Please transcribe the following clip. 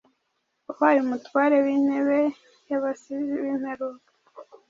wabaye Umutware w’ Intebe y’Abasizi w’imperuka,